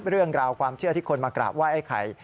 เรื่องราวความเชื่อที่คนมากราบไห้ไอ้ไข่